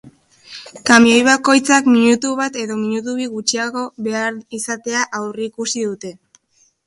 Kamioi bakoitzak minutu bat edo minutu bi gutxiago behar izatea aurreikusi dute.